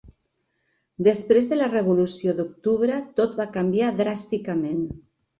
Després de la Revolució d'Octubre, tot va canviar dràsticament.